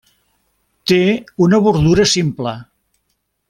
Té una bordura simple.